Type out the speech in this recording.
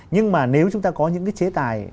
nhưng mà nếu chúng ta có những cái chế tài